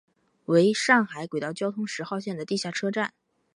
为上海轨道交通十号线的地下车站。